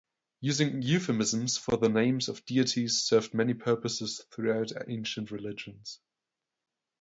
Using euphemisms for the names of deities served many purposes throughout ancient religions.